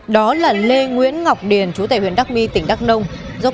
đó là lê nguyễn ngọc điền chủ tệ huyện đắk my tỉnh đắk nông